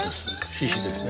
獅子ですね。